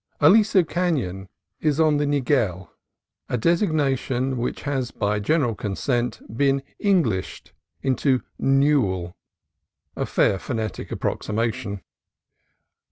Aliso Canon is on the Niguel, a desig nation which has by general consent been Eng lished into Newell, a fair phonetic approximation.